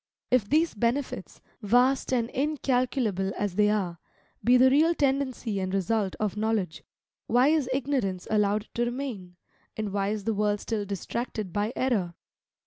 If these benefits, vast and incalculable as they are, be the real tendency and result of knowledge, why is ignorance allowed to remain, and why is the world still distracted by error?